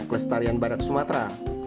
kelestarian badak sumatra